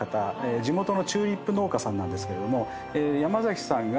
地元のチューリップ農家さんなんですけれども山崎さんが。